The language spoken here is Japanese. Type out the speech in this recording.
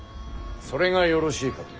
それがよろしいかと。